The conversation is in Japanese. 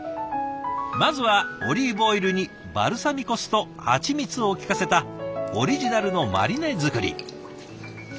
まずはオリーブオイルにバルサミコ酢とハチミツをきかせたオリジナルのマリネ作り。